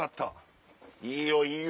いいよいいよ